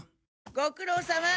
ご苦労さま。